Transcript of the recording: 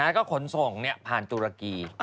แล้วก็ขนส่งพานตุรกี